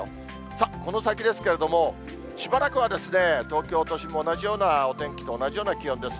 さあ、この先ですけれども、しばらくは東京都心も同じような、お天気と同じような気温です。